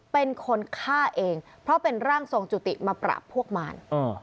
เป็นคนฆ่าเองเพราะเป็นร่างทรงจุติมาปราบพวกมาร